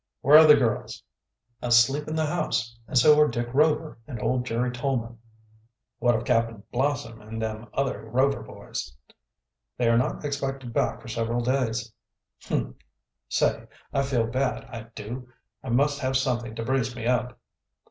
Where are the girls?" "Asleep in the house, and so are Dick Rover and old Jerry Tolman." "What of Cap'n Blossom and them other Rover boys?" "They are not expected back for several days." "Humph! Say, I feel bad, I do. I must have something to brace me up."